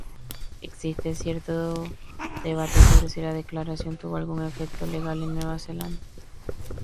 Existe cierto debate sobre si la Declaración tuvo algún efecto legal en Nueva Zelanda.